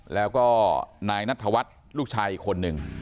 แล้วก็นายนัทธวัฒน์ลูกชายอีกคนนึง